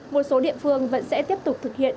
một số địa phương vẫn sẽ tiếp tục thực hiện